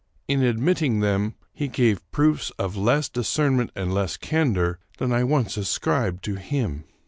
In admitting them, he gave proofs of less discernment and less candor than I once ascribed to him."